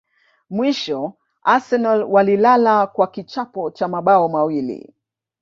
Mwisho Arsenal walilala kwa kichapo cha mabao mawili